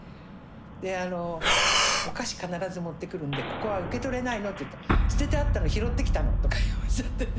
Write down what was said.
であのお菓子必ず持ってくるんで「ここは受け取れないの」って言うと「捨ててあったの拾ってきたの」とかおっしゃってね